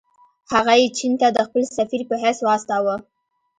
هغه یې چین ته د خپل سفیر په حیث واستاوه.